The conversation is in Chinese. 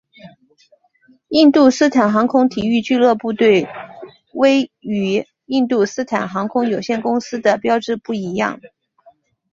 印度斯坦航空体育俱乐部队徽与印度斯坦航空有限公司的标志不一样。